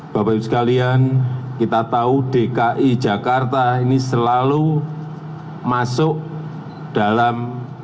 bapak ibu sekalian kita tahu dki jakarta ini selalu masuk dalam